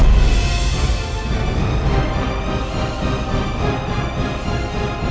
yang berbentuk seperti ini